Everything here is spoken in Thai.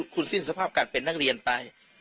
คุณสิ้นสภาพการเป็นนักเรียนไป